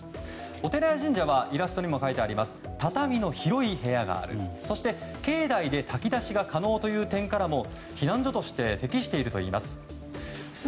お寺や神社はイラストにも描いてありますが畳の広い部屋があるそして境内で炊き出しが可能という点からも避難所として適しているといいます。